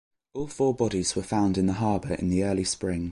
All four bodies were found in the harbor in the early spring.